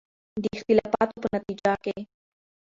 د اختلافاتو په نتیجه کې